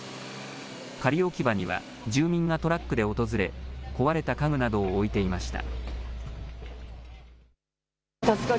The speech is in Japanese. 仮置き場には、住民がトラックで訪れ、壊れた家具などを置いていました。